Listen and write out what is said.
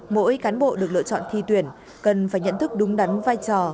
mỗi cán bộ được lựa chọn thi tuyển cần phải nhận thức đúng đắn vai trò